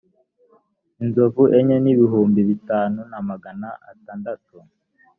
inzovu enye n ibihumbi bitanu na magana atandatu